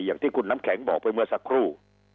อย่างที่คุณน้ำแข็งบอกไปเมื่อสักครู่